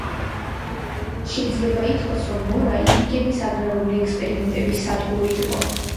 შეიძლება ითქვას, რომ მორაი ინკების აგრარული ექსპერიმენტების სადგური იყო.